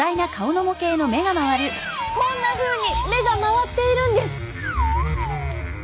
こんなふうに目が回っているんです！